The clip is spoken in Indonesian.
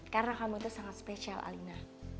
karena kamu itu sangat spesial alina